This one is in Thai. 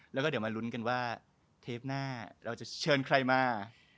แล้วก็เดี๋ยวมาลุ้นกันว่าเทปหน้าเราจะเชิญใครมา